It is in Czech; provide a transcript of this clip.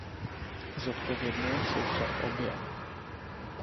Zodpovědné jsou však obě!